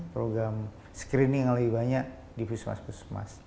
program screening yang lebih banyak di puskesmas puskesmas